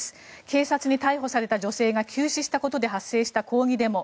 警察に逮捕された女性が急死したことで発生した抗議デモ。